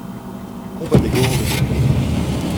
Combat des gorges de Neumarck.